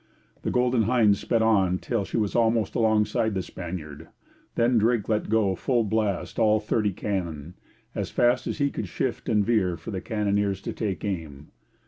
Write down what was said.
The Golden Hind sped on till she was almost alongside the Spaniard; then Drake let go full blast all thirty cannon, as fast as he could shift and veer for the cannoneers to take aim.